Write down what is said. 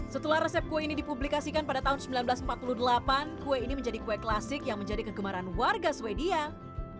setelah resep kue ini dipublikasikan pada tahun seribu sembilan ratus empat puluh delapan kue ini menjadi kue klasik yang menjadi kegemaran warga sweden